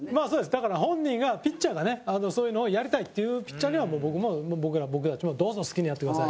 だから、本人がピッチャーがねそういうのをやりたいっていうピッチャーには僕たちもどうぞ好きにやってください。